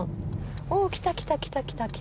おおっ来た来た来た来た。